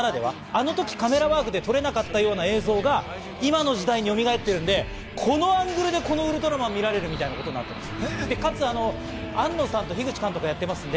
あの時、カメラワークで撮れなかったものが今の時代によみがえってるんで、このアングルでこのウルトラマンを見られるみたいなことがあるんです。